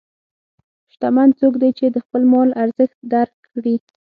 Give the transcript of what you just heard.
شتمن څوک دی چې د خپل مال ارزښت درک کړي.